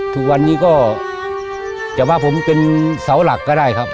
ทุกวันนี้ก็จะว่าผมเป็นเสาหลักก็ได้ครับ